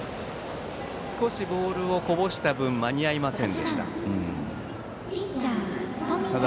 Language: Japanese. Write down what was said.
少しボールをこぼした分間に合いませんでした。